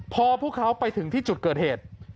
พอพวกเขาไปถึงที่จุดเกิดเหตุ